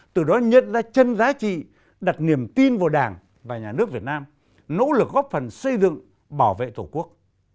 từ đó nhận ra chân giá trị đặt niềm tin vào đảng và nhà nước việt nam nỗ lực góp phần xây dựng bảo vệ tổ quốc